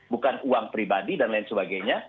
bukan uang pribadi dan lain sebagainya